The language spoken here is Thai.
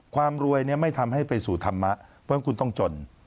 ความรวยไม่ทำให้ไปสู่ธรรมะเพราะฉะนั้นคุณต้องจน